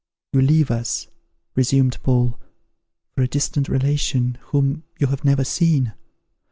"You leave us," resumed Paul, "for a distant relation, whom you have never seen."